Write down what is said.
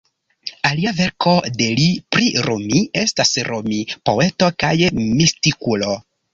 Alia verko de li pri Rumi estas: Rumi, poeto kaj mistikulo.